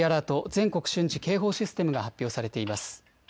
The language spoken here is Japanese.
・全国瞬時警報システムが発表されています。